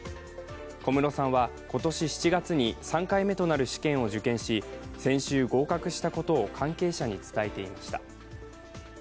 小室さんは今年７月に３回目となる試験を受験し、先週、合格したことを関係者に伝えていました。